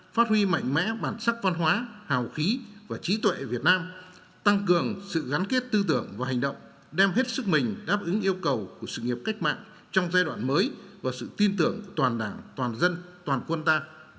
phát huy mạnh mẽ bản sắc văn hóa hào khí và trí tuệ việt nam tăng cường sự gắn kết tư tưởng và hành động đem hết sức mình đáp ứng yêu cầu của sự nghiệp cách mạng trong giai đoạn mới và sự tin tưởng của toàn đảng toàn dân toàn quân ta